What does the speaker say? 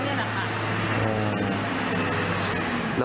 อุ้มเราไปไหนอุ้มหนูขึ้นรถเนี่ยแหละค่ะ